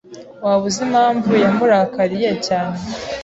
Waba uzi impamvu yamurakariye cyane?